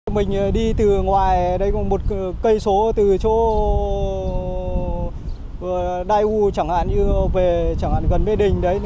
mình đi từ ngoài đây có một cây số từ chỗ đai u chẳng hạn như về chẳng hạn gần bế đình đấy